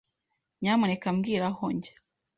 Nyamuneka mbwira aho njya.